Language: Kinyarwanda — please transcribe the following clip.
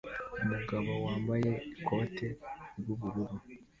Umugabo wambaye ikote ry'ubururu